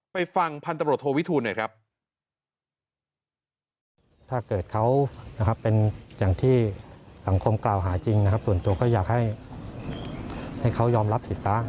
ไปฟังพันธบรวจโทวิทูลหน่อยครับ